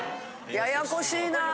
ややこしいな。